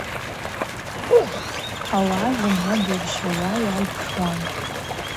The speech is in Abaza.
Ауагӏа зымгӏва дджьарщауа йгӏайпшуан.